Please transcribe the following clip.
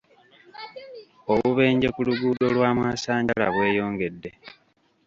Obubenje ku luguudo lwa mwasanjala bweyongedde.